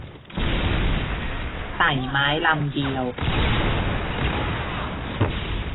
ไต่ไม้ลำเดียว